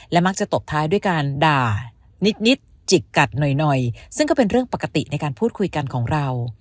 มักจะตบท้ายด้วยการด่านิดจิกกัดหน่อยซึ่งก็เป็นเรื่องปกติในการพูดคุยกันของเรา